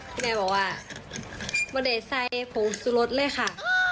พี่แดบอกว่ามันได้ไส้ผงสุรสเลยค่ะ